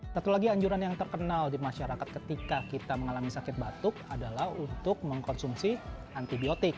satu lagi anjuran yang terkenal di masyarakat ketika kita mengalami sakit batuk adalah untuk mengkonsumsi antibiotik